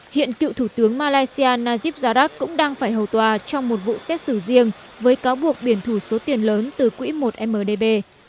hiện cựu thủ tướng malaysia najib jarak cũng đang phải hầu tòa trong một vụ xét xử riêng với cáo buộc biển thủ số tiền lớn từ quỹ một mdb